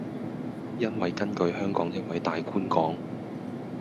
因為根據香港一位大官講